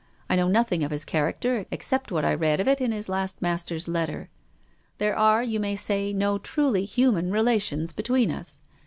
I know nothing of his character except what I read of it in his last master's letter. There are, you may say, no truly human relations between us.